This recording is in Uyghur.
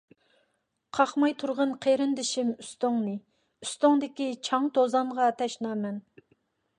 قاقماي تۇرغىن قېرىندىشىم ئۈستۈڭنى، ئۈستۈڭدىكى چاڭ-توزانغا تەشنامەن.